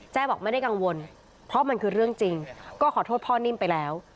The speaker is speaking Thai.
บอกไม่ได้กังวลเพราะมันคือเรื่องจริงก็ขอโทษพ่อนิ่มไปแล้ว